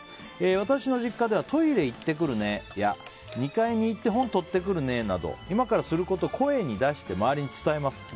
私の実家ではトイレ行ってくるねや２階に行って本とってくるねなど今からすることを声に出して周りに伝えます。